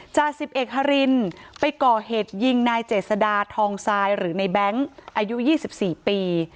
จ่าสิบเอกฮารินไปก่อเหตุยิงนายเจษดาทองทรายหรือในแบงค์อายุ๒๔ปี